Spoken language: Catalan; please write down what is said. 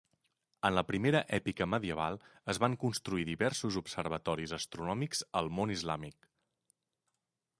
En la primera èpica medieval, es van construir diversos observatoris astronòmics al món islàmic.